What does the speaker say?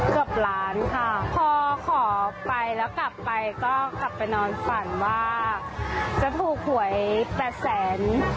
เกือบล้านค่ะพอขอไปแล้วกลับไปก็กลับไปนอนฝันว่าจะถูกหวยแปดแสน